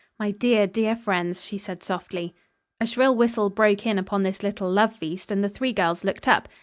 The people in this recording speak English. "My dear, dear friends," she said softly. A shrill whistle broke in upon this little love feast and the three girls looked up.